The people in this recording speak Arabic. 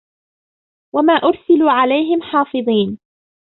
وَما أُرسِلوا عَلَيهِم حافِظينَ